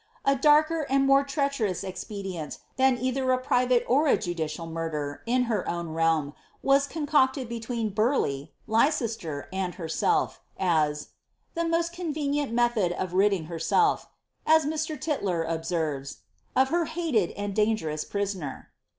A darker and more treacherous expedient than either a private or a judicial murder, in her own realm, was codcocted between Burleigh, Leicester, and herself, as ^^ the most convenient method of ridding herself," as Mr. Tyller observes, ^ of her hated and dangerous prisoner."